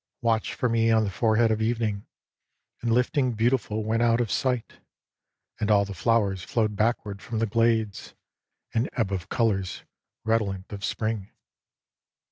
" Watch for me on the forehead of evening." And lifting beautiful went out of sight. And all the flowers flowed backward from the glades, An ebb of colours redolent of Spring.